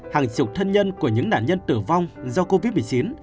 hàng chục thân nhân của những nạn nhân tử vong do covid một mươi chín